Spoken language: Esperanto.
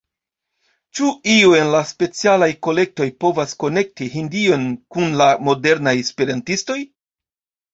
Ĉu io en la Specialaj Kolektoj povas konekti Hindion kun la modernaj esperantistoj?